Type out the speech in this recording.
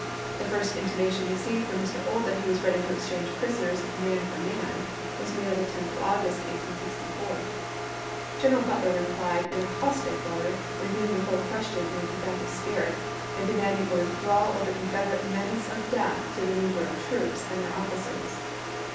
The first intimation received from Mr. Ould that he was ready to exchange prisoners, man for man, was made on the 10th of August, 1864. G eneral Butler replied in a caustic letter, reviewing the whole question in a combative spirit, and demanding a withdrawal of the Confederate menace of death to the negro troops and their officers.